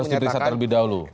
harus diperiksa terlebih dahulu